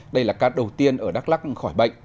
đây là ca đầu tiên ở đắk lắc khỏi bệnh